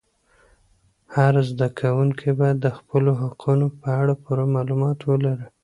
هر زده کوونکی باید د خپلو حقوقو په اړه پوره معلومات ولري.